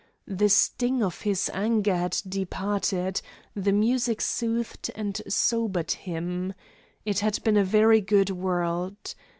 The sting of his anger had departed, the music soothed and sobered him. It had been a very good world.